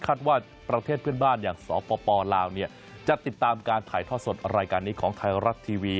ว่าประเทศเพื่อนบ้านอย่างสปลาวจะติดตามการถ่ายทอดสดรายการนี้ของไทยรัฐทีวี